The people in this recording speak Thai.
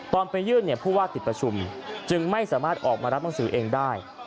ไปยื่นผู้ว่าติดประชุมจึงไม่สามารถออกมารับหนังสือเองได้